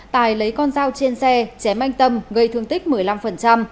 tài lấy con dao trên xe chém anh tâm gây thương tích một mươi năm